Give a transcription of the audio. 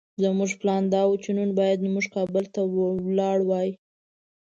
زموږ پلان دا وو چې نن بايد موږ کابل ته ولاړ وای.